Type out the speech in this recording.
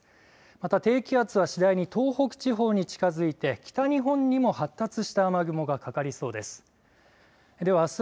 また、低気圧は次第に東北地方に近づいて北日本にも発達した雨雲がかかりそうです。